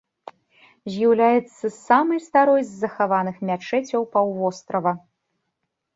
З'яўляецца самай старой с захаваных мячэцяў паўвострава.